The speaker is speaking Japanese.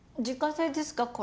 自家製ですか？